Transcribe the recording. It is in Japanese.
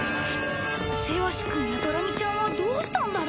セワシくんやドラミちゃんはどうしたんだろう？